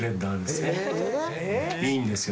良いんですよ